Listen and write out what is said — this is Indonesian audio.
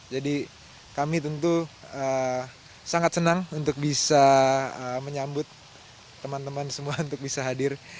jadi kami tentu sangat senang untuk bisa menyambut teman teman semua untuk bisa hadir